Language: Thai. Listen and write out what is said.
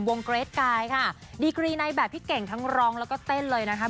เกรทกายค่ะดีกรีในแบบที่เก่งทั้งร้องแล้วก็เต้นเลยนะคะ